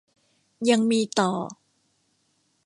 ยังมีต่อ